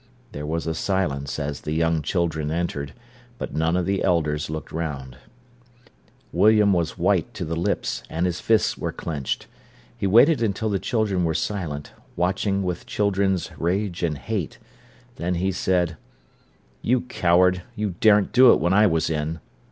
There was a silence as the young children entered, but none of the elders looked round. William was white to the lips, and his fists were clenched. He waited until the children were silent, watching with children's rage and hate; then he said: "You coward, you daren't do it when I was in."